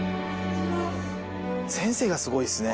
先生がすごいっすね